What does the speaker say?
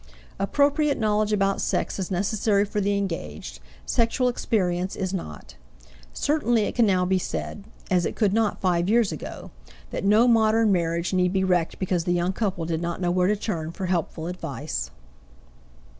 Appropriate knowledge about sex is necessary for the engaged. Sexual experience is not. Certainly it can now be said as it could not five years ago that no modern marriage need be wrecked because the young couple did not know where to turn for helpful advice.